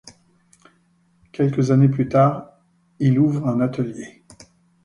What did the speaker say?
Quelques années plus tard, il ouvre un atelier.